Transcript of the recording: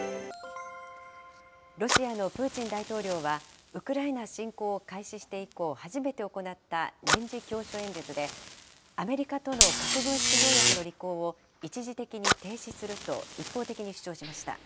ロシアのプーチン大統領は、ウクライナ侵攻を開始して以降、初めて行った年次教書演説で、アメリカとの核軍縮条約の履行を一時的に停止すると一方的に主張しました。